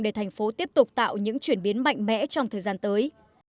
để thành phố tiếp tục tạo những chuyển biến mạnh mẽ trong thời gian tới